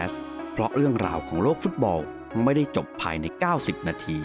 สวัสดีครับ